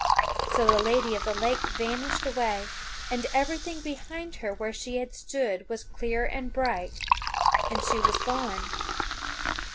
So the Lady of the Lake vanished away, and everything behind her where she had stood was clear and bright, and she was gone.